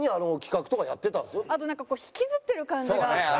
あと引きずってる感じが。